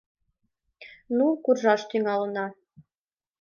Ну, куржаш тӱҥална...